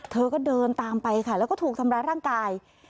เธอก็เดินตามไปค่ะแล้วก็ถูกทำร้ายร่างกาย